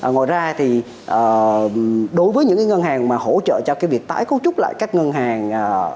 ngoài ra thì đối với những ngân hàng mà hỗ trợ cho cái việc tái cấu trúc lại các ngân hàng